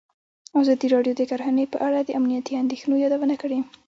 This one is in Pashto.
ازادي راډیو د کرهنه په اړه د امنیتي اندېښنو یادونه کړې.